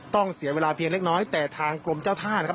เสียเวลาเพียงเล็กน้อยแต่ทางกรมเจ้าท่านะครับ